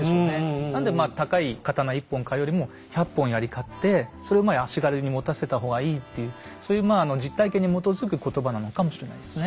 なので高い刀一本買うよりも百本ヤリ買ってそれを足軽に持たせた方がいいっていうそういう実体験に基づくことばなのかもしれないですね。